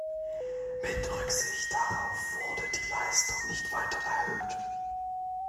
Mit Rücksicht darauf wurde die Leistung nicht weiter erhöht.